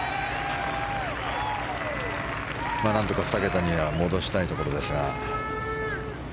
何とか２桁には戻したいところですが。